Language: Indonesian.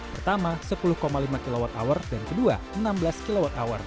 pertama sepuluh lima kwh dan kedua enam belas kwh